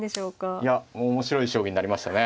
いや面白い将棋になりましたね。